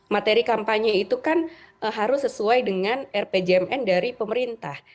materi kampanye itu kan harus sesuai dengan rpjmn dari pemerintah